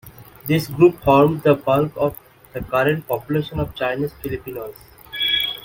This group formed the bulk of the current population of Chinese Filipinos.